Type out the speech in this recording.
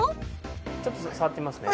ちょっと触ってみますね。